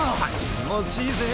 気持ちいいぜ？